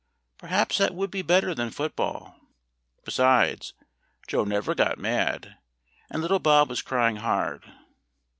Perhaps that would be better than foot ball; besides, Joe never got mad, and little Bob was crying hard.